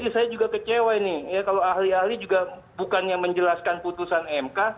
jadi saya juga kecewa ini ya kalau ahli ahli juga bukannya menjelaskan putusan mk